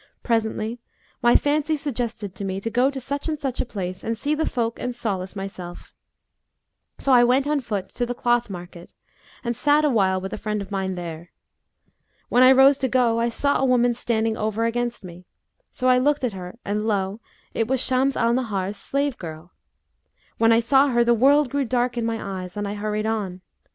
Presently my fancy suggested to me to go to such and such a place and see the folk and solace myself; so I went on foot to the cloth market and sat awhile with a friend of mine there. When I rose to go, I saw a woman standing over against me; so I looked at her, and lo! it was Shams al Nahar's slave girl. When I saw her, the world grew dark in my eyes and I hurried on.